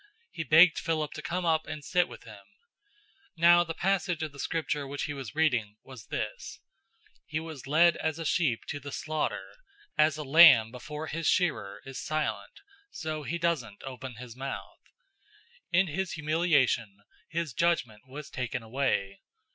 He begged Philip to come up and sit with him. 008:032 Now the passage of the Scripture which he was reading was this, "He was led as a sheep to the slaughter. As a lamb before his shearer is silent, so he doesn't open his mouth. 008:033 In his humiliation, his judgment was taken away.